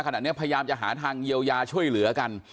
พยายามจะหาทางเยียวยาช่วยเหลือกัน